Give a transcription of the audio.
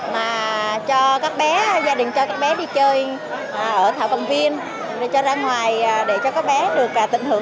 mà cho các bé gia đình cho các bé đi chơi ở thảo công viên cho ra ngoài để cho các bé được tận hưởng